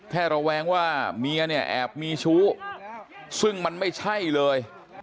ระแวงว่าเมียเนี่ยแอบมีชู้ซึ่งมันไม่ใช่เลย